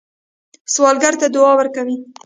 سوالګر ته دعا ورکوئ